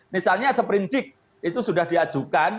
misalnya seperindik itu sudah diajukan